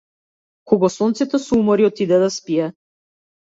Кога сонцето се умори отиде да спие.